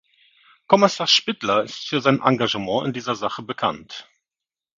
Kommissar Špidla ist für sein Engagement in dieser Sache bekannt.